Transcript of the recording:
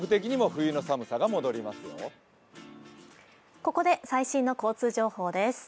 ここで最新の交通情報です。